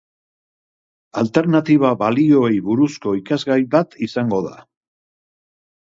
Alternatiba balioei buruzko ikasgai bat izango da.